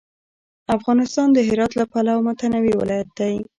افغانستان د هرات له پلوه متنوع ولایت دی.